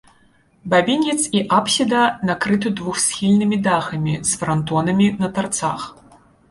Бабінец і апсіда накрыты двухсхільнымі дахамі з франтонамі на тарцах.